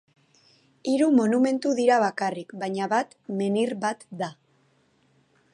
Hiru monumentu dira bakarrik baina bat menhir bat da.